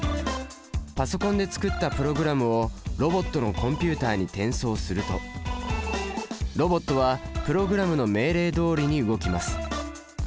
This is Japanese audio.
パソコンで作ったプログラムをロボットのコンピュータに転送するとロボットはプログラムの命令どおりに動きます。